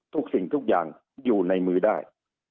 สิ่งทุกอย่างอยู่ในมือได้